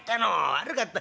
悪かった。